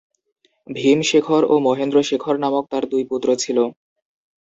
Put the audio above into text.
ভীম শেখর ও মহেন্দ্র শেখর নামক তাঁর দুই পুত্র ছিল।